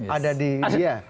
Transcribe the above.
ada di dia